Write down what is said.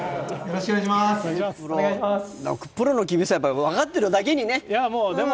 プロの厳しさ分かっているだけにね。